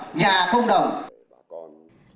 lãnh đạo thành phố hà nội nhấn mạnh